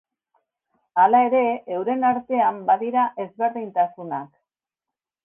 Hala ere euren artean badira ezberdintasunak.